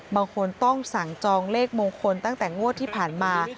บางคนต้องสั่งจองเลขมงคลตั้งแต่งวดที่ผ่านมา